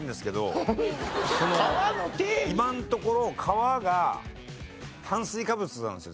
今のところ皮が炭水化物なんですよ